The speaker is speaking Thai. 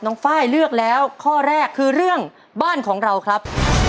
ไฟล์เลือกแล้วข้อแรกคือเรื่องบ้านของเราครับ